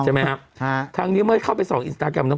ใช่ไหมฮะทางนี้เมื่อเข้าไปส่องอินสตาแกรมน้อง